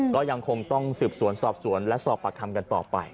ก็ยังคงต้องสืบสวนสอบสวนและสอบปากคำกันต่อไป